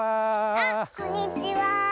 あっこんにちは。